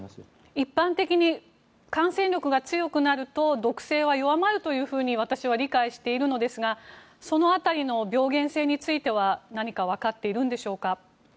一般的に感染力が強くなると毒性は弱まると私は理解しているのですがその辺りの病原性については何かわかってるんでしょうか？